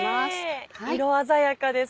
色鮮やかです。